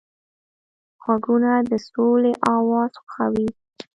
غوږونه د سولې اواز خوښوي